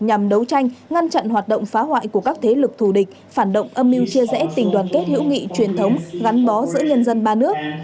nhằm đấu tranh ngăn chặn hoạt động phá hoại của các thế lực thù địch phản động âm mưu chia rẽ tình đoàn kết hữu nghị truyền thống gắn bó giữa nhân dân ba nước